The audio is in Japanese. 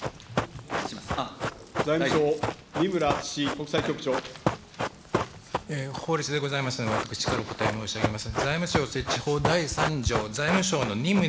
財務省、法律でございますので、私からお答え申し上げます。